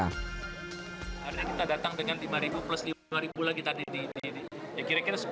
hari ini kita datang dengan lima plus lima lagi tadi di kira kira sepuluh